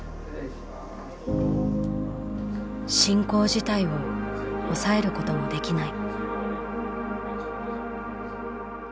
「進行自体を抑えることもできない」。